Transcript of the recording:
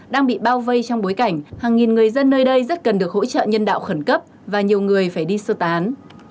đang bị bao vây trong bối cảnh hàng nghìn người dân nơi đây rất cần được hỗ trợ nhân đạo khẩn cấp và nhiều người phải đi sơ tán